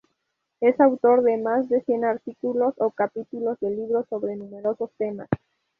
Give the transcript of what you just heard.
Es autor de más de cien artículos o capítulos de libros sobre numerosos temas.